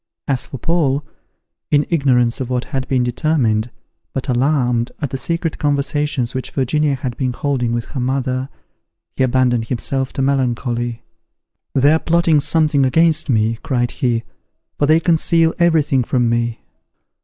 As for Paul, in ignorance of what had been determined, but alarmed at the secret conversations which Virginia had been holding with her mother, he abandoned himself to melancholy. "They are plotting something against me," cried he, "for they conceal every thing from me."